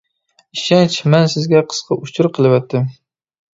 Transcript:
ئىشەنچ مەن سىزگە قىسقا ئۇچۇر قىلىۋەتتىم.